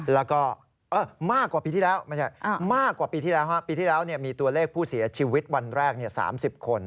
แล้วก็มากกว่าปีที่แล้วมีตัวเลขผู้เสียชีวิตวันแรก๓๐คน